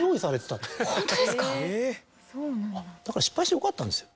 だから失敗してよかったんですよ。